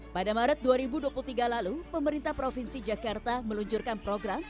pada maret dua ribu dua puluh tiga lalu pemerintah provinsi jakarta meluncurkan program